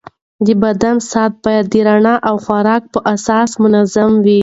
د بدن ساعت باید د رڼا او خوراک په اساس منظم وي.